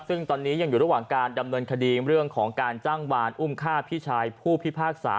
ซึ่งตอนนี้ยังอยู่ระหว่างการดำเนินคดีเรื่องของการจ้างวานอุ้มฆ่าพี่ชายผู้พิพากษา